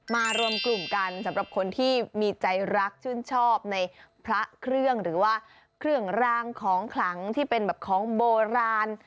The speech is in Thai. รวมกลุ่มกันสำหรับคนที่มีใจรักชื่นชอบในพระเครื่องหรือว่าเครื่องรางของขลังที่เป็นแบบของโบราณ